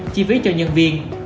chi phí cho nhân viên